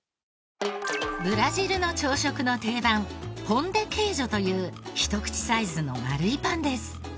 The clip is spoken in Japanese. ブラジルの朝食の定番ポン・デ・ケージョというひと口サイズの丸いパンです。